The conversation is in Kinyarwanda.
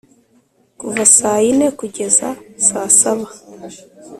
kuva sa yine kugeza saa saba